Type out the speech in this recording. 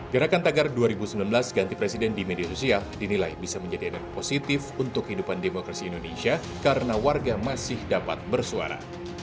gerakan tagar dua ribu sembilan belas ganti presiden di media sosial dinilai bisa menjadi energi positif untuk kehidupan demokrasi indonesia karena warga masih dapat bersuara